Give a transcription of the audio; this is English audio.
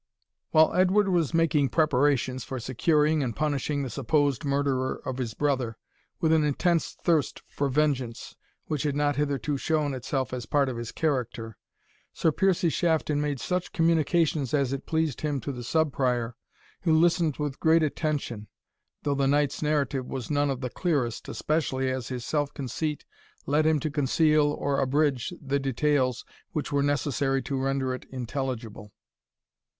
While Edward was making preparations for securing and punishing the supposed murderer of his brother, with an intense thirst for vengeance, which had not hitherto shown itself as part of his character, Sir Piercie Shafton made such communications as it pleased him to the Sub Prior, who listened with great attention, though the knight's narrative was none of the clearest, especially as his self conceit led him to conceal or abridge the details which were necessary to render it intelligible.